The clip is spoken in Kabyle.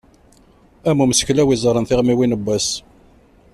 Am umseklaw iẓerren tiɣmiwin n wass